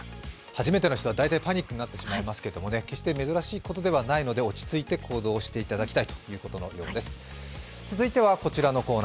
初めての人は大体パニックになってしまいますけど、決して珍しいことではないので、落ち着いて行動してもらいたいということのようです。